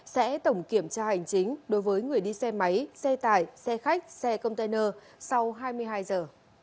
sẽ tổng kiểm tra hành chính đối với người đi xe máy xe tải xe khách xe container sau hai mươi hai giờ